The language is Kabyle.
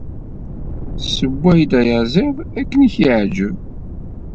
Tessewway-d ayaziḍ akken i y-iɛǧeb.